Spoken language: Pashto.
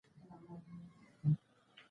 کارمل ویلي و چې شوروي ځواکونه لنډمهاله دي.